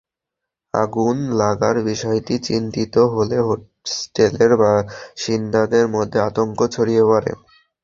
আগুন লাগার বিষয়টি নিশ্চিত হলে হোস্টেলের বাসিন্দাদের মধ্যে আতঙ্ক ছড়িয়ে পড়ে।